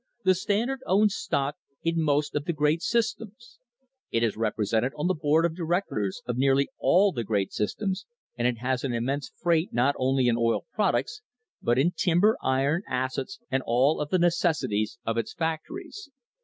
The Standard owns stock in most of the great systems. It is represented on the board of directors of nearly all the great systems, and it has an immense freight not only in oil products, but in timber, iron, acids, and all of the necessities of its factories.